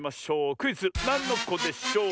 クイズ「なんのこでショー」